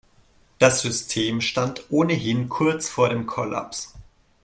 Das System stand ohnehin kurz vor dem Kollaps.